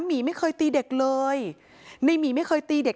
หมีไม่เคยตีเด็กเลยในหมีไม่เคยตีเด็ก